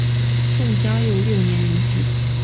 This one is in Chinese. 宋嘉佑六年圆寂。